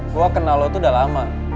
gue kenal lo tuh udah lama